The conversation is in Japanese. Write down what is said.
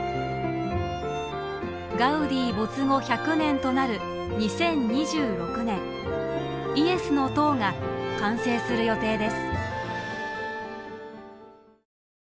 ガウディ没後１００年となる２０２６年イエスの塔が完成する予定です。